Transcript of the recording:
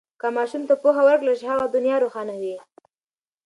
که ماشوم ته پوهه ورکړل شي، هغه دنیا روښانوي.